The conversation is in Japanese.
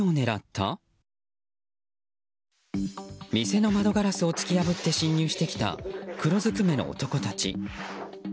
店の窓ガラスを突き破って侵入してきた黒ずくめの男たち。